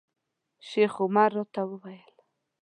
شیخ عمر راته وویل.